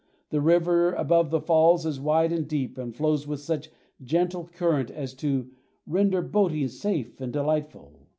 The river above the falls is wide and deep and flows with such gentle current as to render boating safe and delightful.